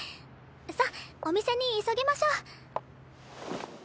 さっお店に急ぎましょう。